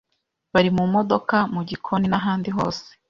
bari mu modoka, mu gikoni n’ahandi hose